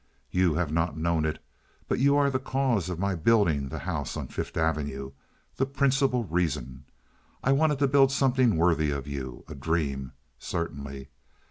You have not known it, but you are the cause of my building the house on Fifth Avenue—the principal reason. I wanted to build something worthy of you. A dream? Certainly.